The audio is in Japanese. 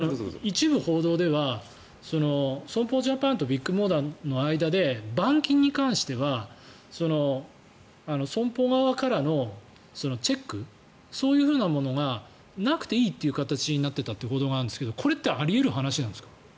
あと、一部報道では損保ジャパンとビッグモーターの間で板金に関しては損保側からのチェックそういうふうなものがなくていいという形になっていたという報道があるんですがこれってあり得る話なんですか？